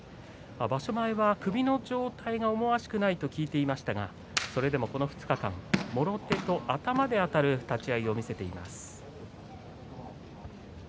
場所前は首の状態が思わしくないと聞いていましたがそれでもこの２日間もろ手と頭であたる立ち合いを見せています。